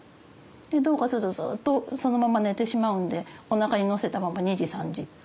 でどうかするとずっとそのまま寝てしまうんでおなかにのせたまま２時３時っていう。